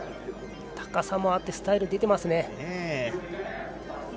高さもあってスタイルも出ています。